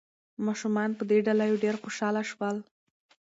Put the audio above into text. ماشومان په دې ډالیو ډېر خوشاله شول.